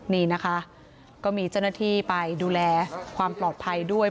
นี่นะคะก็มีเจ้าหน้าที่ไปดูแลความปลอดภัยด้วย